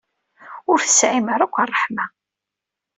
Ur tesɛim ara akk ṛṛeḥma.